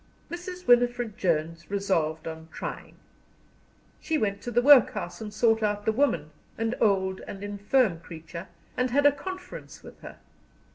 Mrs. Winifred Jones resolved on trying. She went to the workhouse and sought out the woman, an old and infirm creature, and had a conference with her.